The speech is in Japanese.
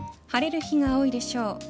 晴れる日が多いでしょう。